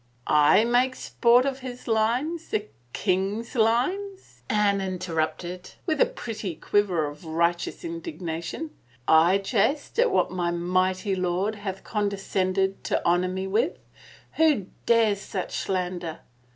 ''/ make sport of his lines — the king's lines ?" Anne interrupted, in a pretty quiver of righteous indignation. ''/ jest at what my mighty lord hath condescended to honor me with? Who dares such slander?